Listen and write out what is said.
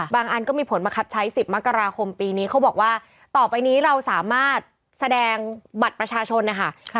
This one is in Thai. อันก็มีผลมาครับใช้๑๐มกราคมปีนี้เขาบอกว่าต่อไปนี้เราสามารถแสดงบัตรประชาชนนะคะ